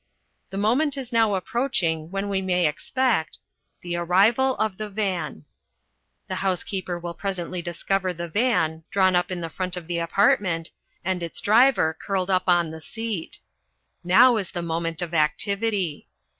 The moment is now approaching when we may expect THE ARRIVAL OF THE VAN The housekeeper will presently discover the van, drawn up in the front of the apartment, and its driver curled up on the seat. Now is the moment of activity.